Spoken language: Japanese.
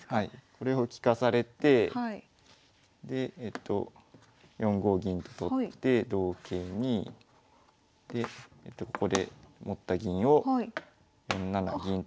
これを利かされてでえっと４五銀と取って同桂にでここで持った銀を４七銀と。